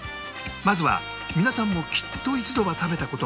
まずは皆さんもきっと一度は食べた事がある